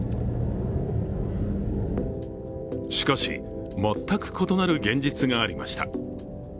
しかし、全く異なる現実がありました。